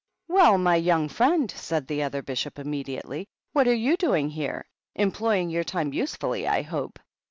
"Well, my young friend," said the other Bishop immediately, "what are you doing here? Employing your time usefully, I hope